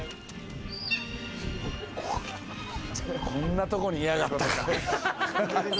こんなところにいやがったか。